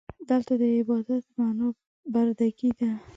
دلته د عبادت معنا برده ګي ده.